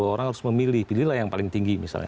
orang harus memilih pilihlah yang paling tinggi misalnya